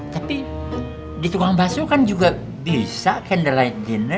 tapi di tukang baso kan juga bisa candlelight dinner